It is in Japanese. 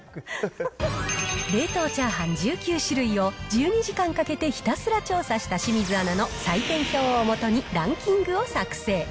冷凍チャーハン１９種類を１２時間かけてひたすら調査した清水アナの採点表をもとにランキングを作成。